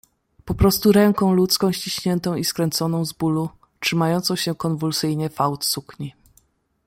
"Poprostu ręką ludzką ściśniętą i skręconą z bólu, trzymającą się konwulsyjnie fałd sukni."